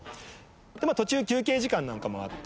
途中休憩時間なんかもあって。